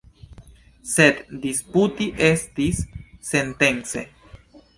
Sed disputi estis sensence.